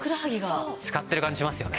使ってる感じしますよね。